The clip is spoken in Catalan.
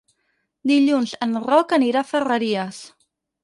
Dilluns en Roc anirà a Ferreries.